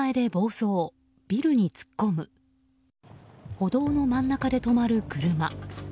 歩道の真ん中で止まる車。